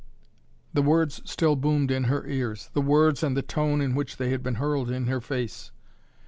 The words still boomed in her ears, the words and the tone in which they had been hurled in her face.